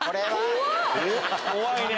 怖いね！